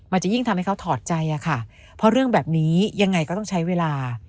จะยิ่งทำให้เขาถอดใจอะค่ะเพราะเรื่องแบบนี้ยังไงก็ต้องใช้เวลา